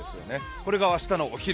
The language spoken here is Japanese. これが明日のお昼。